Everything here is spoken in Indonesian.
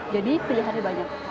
jadi kejahatannya banyak